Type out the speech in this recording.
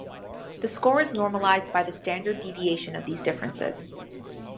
The score is normalized by the standard deviation of these differences.